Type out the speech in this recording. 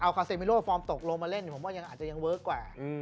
เอาแก๊สเซลมีโรฟอร์มตกลงมาเล่นหาก็ยังเวิร์กกว่า